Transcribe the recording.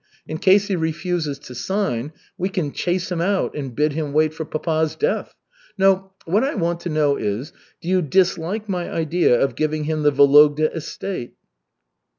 In case he refuses to sign, we can chase him out and bid him wait for papa's death. No, what I want to know is, do you dislike my idea of giving him the Vologda estate?"